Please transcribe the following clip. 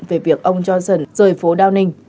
về việc ông johnson rời phố downing